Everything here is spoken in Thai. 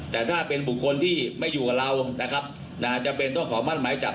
แต่ถ้าเป็นบุคคลที่ไม่อยู่กับเรานะครับจำเป็นต้องขอมั่นหมายจับ